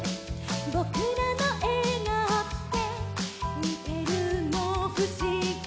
ぼくらのえがおってにてるのふしぎ」